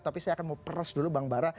tapi saya akan mau peres dulu bang bara